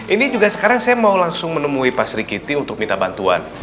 ini juga sekarang saya mau langsung menemui pak sri kiti untuk minta bantuan